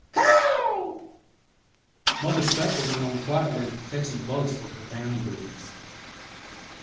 Caw!" Mother Speckle went on quietly catching bugs for her downy babies.